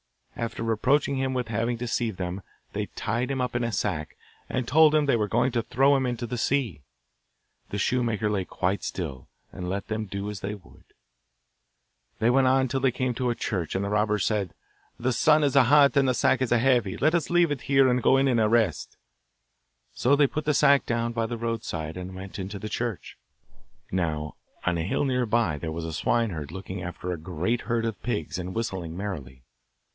After reproaching him with having deceived them, they tied him up in a sack, and told him they were going to throw him into the sea. The shoemaker lay quite still, and let them do as they would. They went on till they came to a church, and the robbers said, 'The sun is hot and the sack is heavy; let us leave it here and go in and rest.' So they put the sack down by the roadside, and went into the church. Now, on a hill near by there was a swineherd looking after a great herd of pigs and whistling merrily.